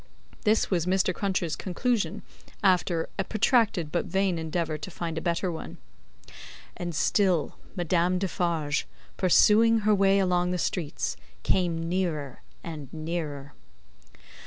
This was Mr. Cruncher's conclusion after a protracted but vain endeavour to find a better one. And still Madame Defarge, pursuing her way along the streets, came nearer and nearer.